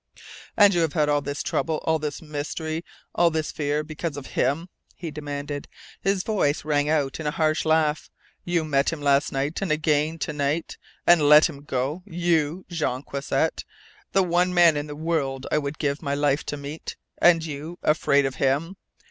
"And you have had all this trouble, all this mystery, all this fear because of HIM?" he demanded. His voice rang out in a harsh laugh. "You met him last night, and again to night, and LET HIM GO? You, Jean Croisset? The one man in the whole world I would give my life to meet and YOU afraid of him?